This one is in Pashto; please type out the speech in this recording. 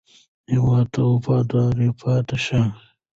هېواد ته وفادار پاتې شئ.